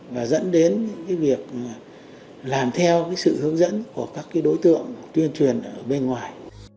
và dẫn đến cái việc làm theo cái sự hướng dẫn của các cái đối tượng tuyên truyền ở bên ngoài